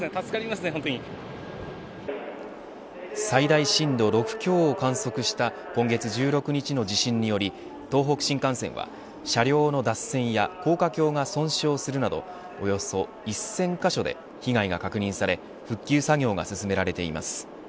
最大震度６強を観測した今月１６日の地震により東北新幹線は、車両の脱線や高架橋が損傷するなどおよそ１０００カ所で被害が確認され復旧作業が進められています。